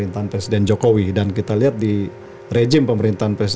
contohnya adalah peng installing the allyship ii demokrasi muchas panggilan cara urus persen